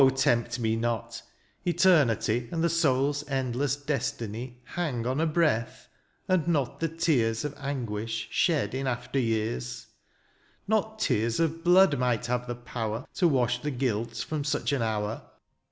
tempt me not ;— eternity " And the soul's endless destiny ^^ Hang on a breath, and not the tears " Of anguish, shed in after years 5 " Not tears of blood might have the power 48 DIONYSIUS, '^To wash the guilt from such an hour.